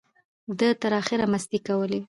ده تر اخره مستۍ کولې.